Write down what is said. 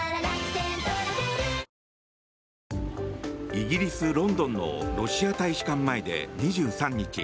イギリス・ロンドンのロシア大使館前で２３日